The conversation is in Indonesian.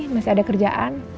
masih ada kerjaan